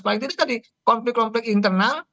paling tidak tadi konflik konflik internal